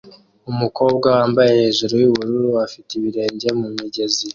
Umukobwa wambaye hejuru yubururu afite ibirenge mumigezi